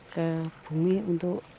ke bumi untuk